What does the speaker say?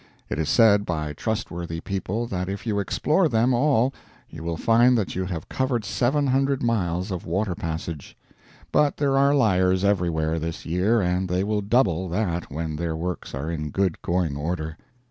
It is said by trustworthy people that if you explore them all you will find that you have covered 700 miles of water passage. But there are liars everywhere this year, and they will double that when their works are in good going order.